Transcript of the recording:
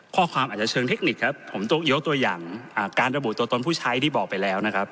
ข้อความอาจเชิงเทคนิคผมยกตัวอย่างการระบุตัวตนผู้ใช้ที่บอกไปแล้ว